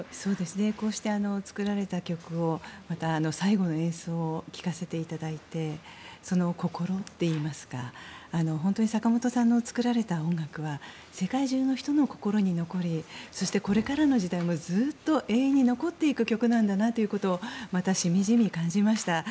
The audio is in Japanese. こうして作られた曲をまた、最後の演奏を聴かせていただいてその心といいますか本当に坂本さんの作られた音楽は世界中の人の心に残りそして、これからの時代もずっと永遠に残っていく曲なんだなということをまたしみじみ感じました。